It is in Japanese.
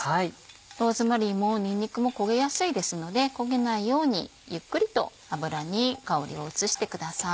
ローズマリーもにんにくも焦げやすいですので焦げないようにゆっくりと油に香りを移してください。